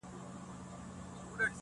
پر ګودر دي مېلمنې د بلا سترګي؛